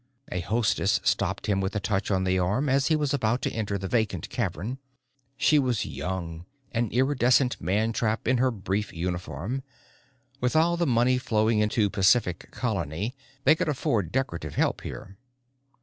A hostess stopped him with a touch on the arm as he was about to enter the vacant cavern. She was young, an iridescent mantrap in her brief uniform. With all the money flowing into Pacific Colony they could afford decorative help here.